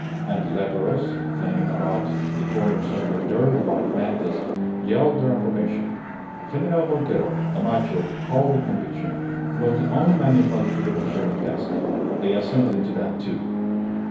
And the leperos, flinging about the corners of their dirty white mantas, yelled their approbation. General Montero, Gamacho howled with conviction, was the only man equal to the patriotic task. They assented to that, too.